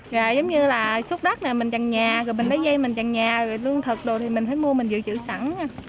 giống như là xúc đất này mình tràn nhà rồi mình lấy dây mình tràn nhà rồi lương thực đồ thì mình phải mua mình giữ chữ sẵn